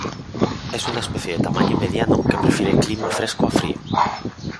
Es una especie de tamaño mediano, que prefiere clima fresco a frío.